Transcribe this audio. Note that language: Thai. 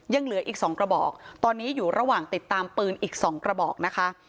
ยังเหลืออีก๒กระบอกตอนนี้อยู่ระหว่างติดตามปืนอีก๒กระบอกนะคะ